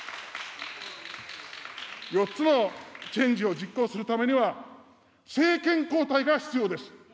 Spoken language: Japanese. ４つのチェンジを実行するためには、政権交代が必要です。